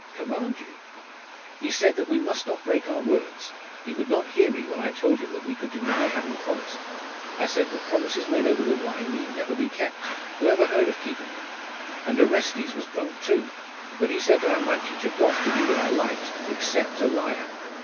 'Command you?' 'He said that we must not break our words. He would not hear me, when I told him that we could deny having promised. I said that promises made over the wine need never be kept. Who ever heard of keeping them? And Orestes was drunk, too. But he said that I might teach a Goth to be what I liked, except a liar....